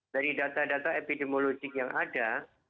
dari data data epidemiologi yang ada